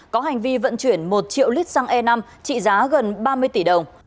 có hành vi vận chuyển một triệu lít xăng e năm trị giá gần ba mươi tỷ đồng